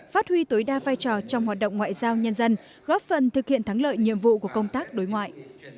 phát huy tối đa vai trò trong hoạt động ngoại giao nhân dân góp phần thực hiện thắng lợi nhiệm vụ của công tác đối ngoại